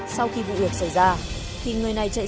sau khi vụ việc xảy ra khi người này chạy xa